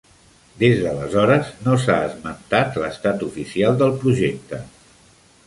Des d'aleshores no s'ha esmentat l'estat oficial del projecte.